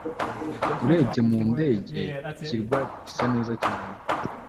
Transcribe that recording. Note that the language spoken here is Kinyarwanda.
urebye mu ndege, ikirwa gisa neza cyane